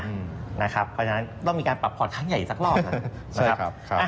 เพราะฉะนั้นต้องมีการปรับพอร์ตครั้งใหญ่สักรอบนะครับ